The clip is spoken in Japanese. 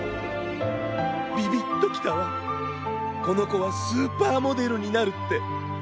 ビビッときたわこのこはスーパーモデルになるって。